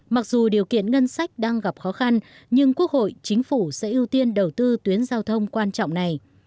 mặc dù điều kiện ngân sách đang gặp khó khăn nhưng quốc hội chính phủ sẽ ưu tiên đầu tư tuyến giao thông quan trọng này